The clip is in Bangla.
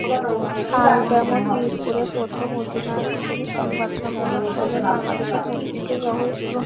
কাল যেমন মিরপুরে প্রথম অধিনায়ক হিসেবে সংবাদ সম্মেলন করলেন বাংলাদেশের মুশফিকুর রহিম।